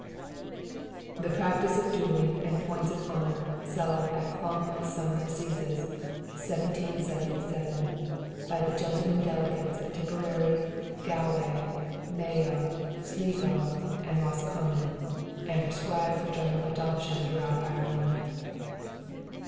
"The practice of duelling and points of honor settled at Clonmell summer assizes, 1777, by the gentleman delegates of Tipperary, Galway, Mayo, Sligo and Roscommon, and prescribed for general adoption throughout Ireland.